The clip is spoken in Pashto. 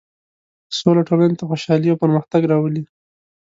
سوله ټولنې ته خوشحالي او پرمختګ راولي.